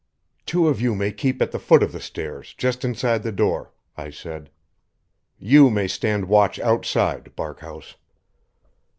"Two of you may keep at the foot of the stairs, just inside the door," I said. "You may stand watch outside, Barkhouse."